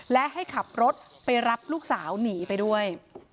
และให้ขับรถไปรับลูกสาวหนีไปด้วย